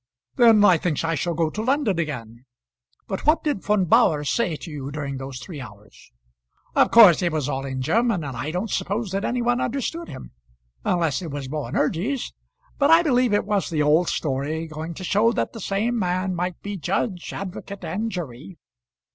"Then I think I shall go to London again. But what did Von Bauhr say to you during those three hours?" "Of course it was all in German, and I don't suppose that any one understood him, unless it was Boanerges. But I believe it was the old story, going to show that the same man might be judge, advocate, and jury."